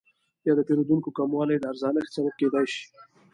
یا د پیرودونکو کموالی د ارزانښت سبب کیدای شي؟